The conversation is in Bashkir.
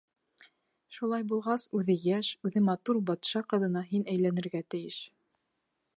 Шулай булғас, үҙе йәш, үҙе матур батша ҡыҙына һин әйләнергә тейеш.